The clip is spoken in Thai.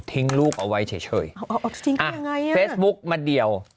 ทิ้งลูกเอาไว้เฉยเฉยอ่าเอาจริงที่ยังไงอ่าเฟซบุ๊กมาเดียว